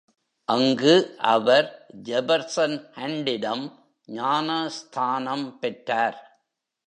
அங்கு அவர் ஜெபர்சன் ஹன்ட்டிடம் ஞானஸ்தானம் பெற்றார்.